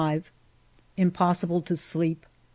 Impossible to sleep.